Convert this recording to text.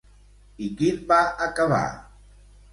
I quin va acabar?